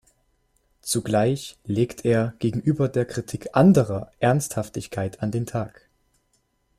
Zugleich legt er gegenüber der Kritik anderer Ernsthaftigkeit an den Tag.